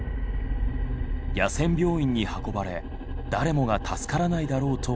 野戦病院に運ばれ誰もが助からないだろうと思った。